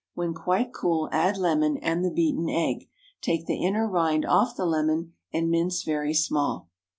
When quite cool, add lemon and the beaten egg. Take the inner rind off the lemon and mince very small.